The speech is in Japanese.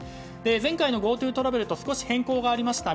前回のＧｏＴｏトラベルと少し変更がありました。